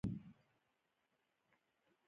سپین پوستو تاوتریخوالی یاد کړ.